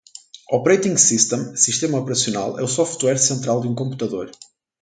Operating System (Sistema Operacional) é o software central de um computador.